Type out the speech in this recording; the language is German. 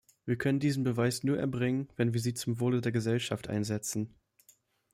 Wir können diesen Beweis nur erbringen, wenn wir sie zum Wohle der Gesellschaft einsetzen.